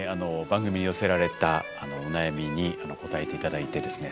番組に寄せられたお悩みに答えて頂いてですね